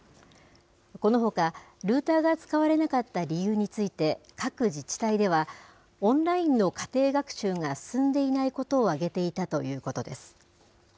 このほか、ルーターが使われなかった理由について、各自治体では、オンラインの家庭学習が進んでいないことを挙げていたということです。